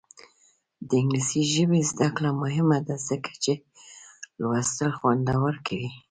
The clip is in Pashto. د انګلیسي ژبې زده کړه مهمه ده ځکه چې لوستل خوندور کوي.